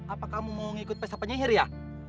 apa kamu mau ngikut pesa penyihir ya